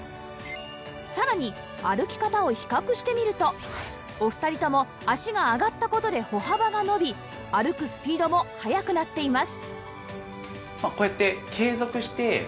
さらに歩き方を比較してみるとお二人とも脚が上がった事で歩幅が伸び歩くスピードも速くなっています